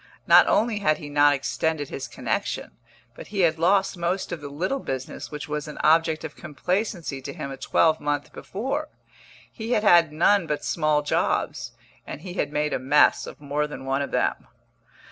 Not only had he not extended his connexion, but he had lost most of the little business which was an object of complacency to him a twelvemonth before. He had had none but small jobs, and he had made a mess of more than one of them.